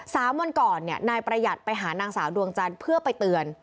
สามวันก่อนเนี่ยนายประหยัดไปหานางสาวดวงจันทร์เพื่อไปเตือน